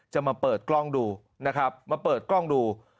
จะมาเปิดกล้องดูนะครับมาเปิดกล้องดู